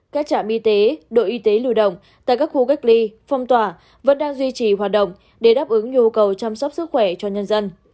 các trạm y tế đội y tế lưu động tại các khu cách ly phong tỏa vẫn đang duy trì hoạt động để đáp ứng nhu cầu chăm sóc sức khỏe cho nhân dân